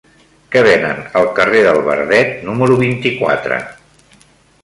Què venen al carrer del Verdet número vint-i-quatre?